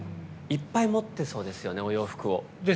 いっぱい持ってそうですよね、お洋服を。